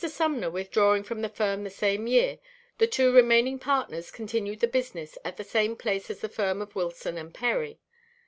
Sumner withdrawing from the firm the same year, the two remaining partners continued the business at the same place as the firm of Wilson & Perry.